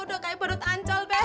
udah kayak badut ancol be